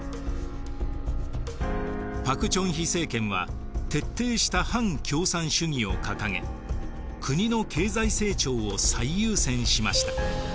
朴正煕政権は徹底した反共産主義を掲げ国の経済成長を最優先しました。